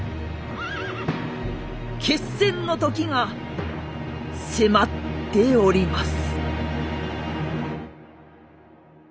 決戦の時が迫っております。